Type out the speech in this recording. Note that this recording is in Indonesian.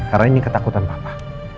karena ini ketakutan papa